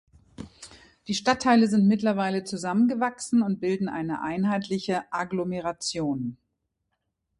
Die Stadtteile sind mittlerweile zusammengewachsen und bilden eine einheitliche Agglomeration.